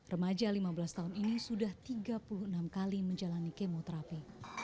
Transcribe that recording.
remaja lima belas tahun ini sudah tiga puluh enam kali menjalani kemoterapi